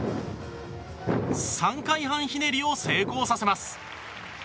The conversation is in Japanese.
３回半ひねりを成功させます。